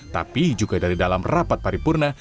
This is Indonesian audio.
tapi juga dari dalam rapat paripurna